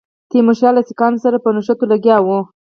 تیمورشاه له سیکهانو سره په نښتو لګیا وو.